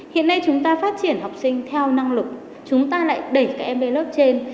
hiện nay chúng ta phát triển học sinh theo năng lực chúng ta lại đẩy các em lên lớp trên